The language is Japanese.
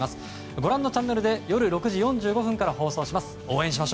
ご覧のチャンネルで夜６時４５分から放送します。